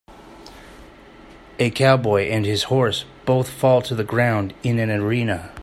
A cowboy and his horse both fall to the ground in an arena.